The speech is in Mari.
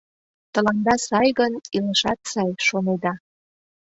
Тыланда сай гын, илышат сай, шонеда...